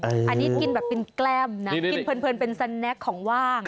อันนี้กินแบบเป็นแกล้มนะกินเพลินเป็นสแนคของว่าง